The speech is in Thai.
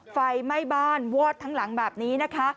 ไฟไหม้บ้านวอดทั้งหลังแบบนี้นะคะ